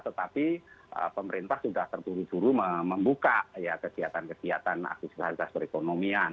tetapi pemerintah sudah tertulis tulis membuka kegiatan kegiatan aktivitas aktivitas perekonomian